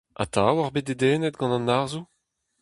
Atav oc'h bet dedennet gant an arzoù ?